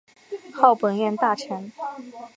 号本院大臣。